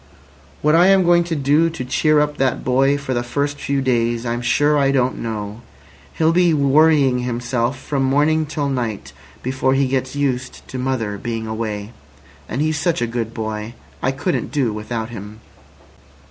"What I am going to do to cheer up that boy for the first few days I'm sure I don't know. He'll be worrying himself from morning till night before he gets used to mother being away. And he's such a good boy. I couldn't do without him."